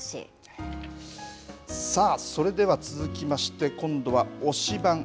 それでは続きまして、今度は推しバン！